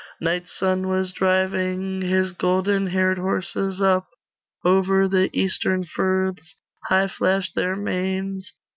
Night's son was driving His golden haired horses up. Over the Eastern firths High flashed their manes.